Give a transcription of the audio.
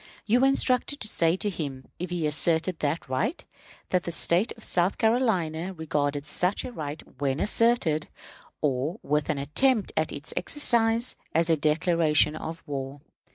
You were instructed to say to him, if he asserted that right, that the State of South Carolina regarded such a right when asserted, or with an attempt at its exercise, as a declaration of war.